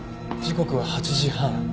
時刻は８時半。